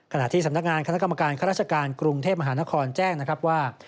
ที่สำนักงานคณะกรรมการข้าราชการกรุงเทพมหานครแจ้งนะครับว่า